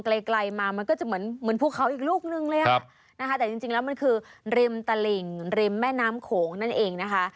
ริมแม่น้ำโขงนั่นเองนะคะ